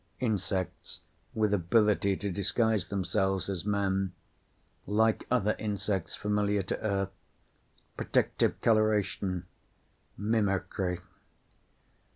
Insects with ability to disguise themselves as men. Like other insects familiar to Earth. Protective coloration. Mimicry.